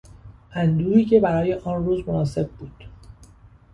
اندوهی که برای آن روز مناسب بود